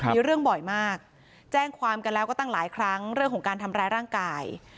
มีเรื่องบ่อยมากแจ้งความกันแล้วก็ตั้งหลายครั้งเรื่องของการทำร้ายร่างกาย